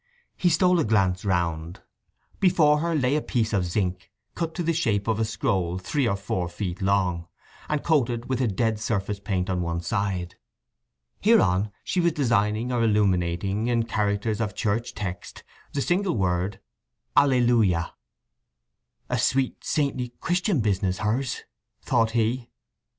He stole a glance round. Before her lay a piece of zinc, cut to the shape of a scroll three or four feet long, and coated with a dead surface paint on one side. Hereon she was designing or illuminating, in characters of Church text, the single word [A L L E L U J A] "A sweet, saintly, Christian business, hers!" thought he.